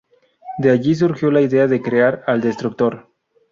De allí surgió la idea de crear al Destructor.